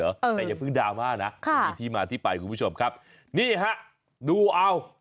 แต่อย่าเพิ่งดราม่านะมีที่มาที่ไปคุณผู้ชมครับนี่ฮะดูเอา